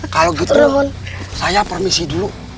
kalau gitu saya permisi dulu